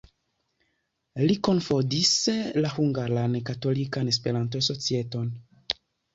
Li kunfondis la Hungaran Katolikan Esperanto-Societon.